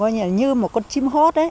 như một con chim hót